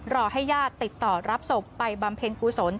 รอให้ญาติติดต่อรับศพไปบำเพ็ญกุศล